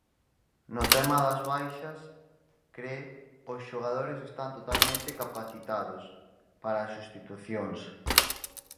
No tema das baixas cre "os xogadores están totalmente capacitados" para as substitucións.